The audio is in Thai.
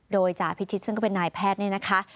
โดยจ่าพิชิตซึ่งก็เป็นนายแพทย์นี่นะคะ